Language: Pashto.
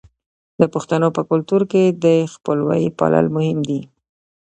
د پښتنو په کلتور کې د خپلوۍ پالل مهم دي.